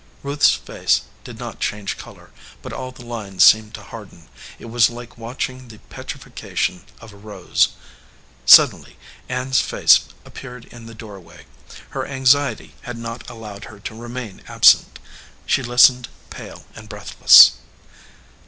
Ruth s face did not change color, but all the lines seemed to harden. It was like watching the petri faction of a rose. Suddenly Ann s face appeared in the doorway. Her anxiety had not allowed her to remain absent. She listened, pale and breathless.